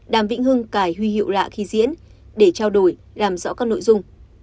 đàm vĩnh hưng cài huy hiệu lạ khi diễn để trao đổi làm rõ các nội dung